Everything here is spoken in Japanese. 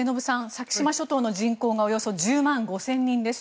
先島諸島の人口がおよそ１０万５０００人です。